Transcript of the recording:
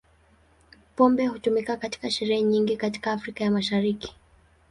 Pombe hutumika katika sherehe nyingi katika Afrika ya Mashariki.